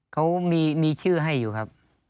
เขามีชื่อให้อยู่ครับ